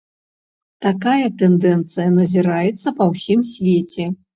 Такая тэндэнцыя назіраецца па ўсім свеце.